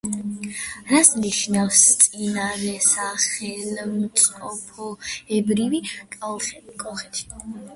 რას ნიშნავს "წინარესახელმწიფოებრივი კოლხეთი"?